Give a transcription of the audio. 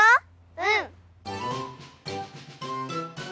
うん。